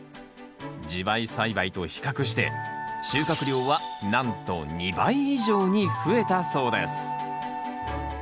地這い栽培と比較して収穫量はなんと２倍以上に増えたそうです